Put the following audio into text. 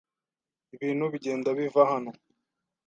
Ibintu bigenda biva hano.